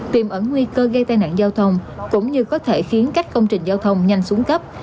tìm ẩn nguy cơ gây tai nạn giao thông cũng như có thể khiến các công trình giao thông nhanh xuống cấp